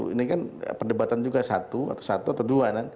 ini kan perdebatan juga satu atau dua